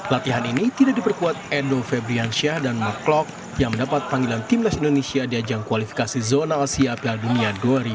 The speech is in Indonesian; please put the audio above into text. latihan ini tidak diperkuat endo febriansyah dan mark klok yang mendapat panggilan timnas indonesia di ajang kualifikasi zona asia piala dunia dua ribu dua puluh